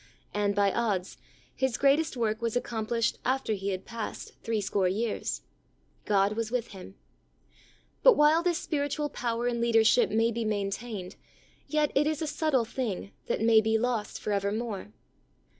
And, by odds, his greatest work was accom plished after he had passed three score years. God was with him. 44 THE soul winner's secret. But while this spiritual power and leader ship may be maintained, yet it is a subtle thing that may be lost for evermore.